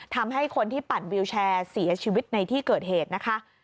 ทำให้คนที่ปั่นวิวแชร์เสียชีวิตในที่เกิดเหตุนะคะ